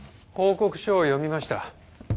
報告書を読みました。